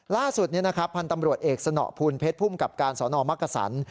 ล่าสุดผันตำรวจเอกสะหนอกภูมิเพชรพุ่มกับการสนมักกะสัน